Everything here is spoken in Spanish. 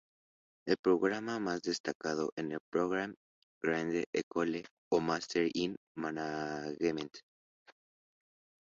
El programa más destacado es el "Programme Grande Ecole" o "Master in Management".